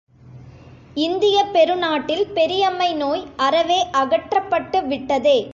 இந்தியப் பெரு நாட்டில் பெரியம்மை நோய் அறவே அகற்றப்பட்டு விட்டதே!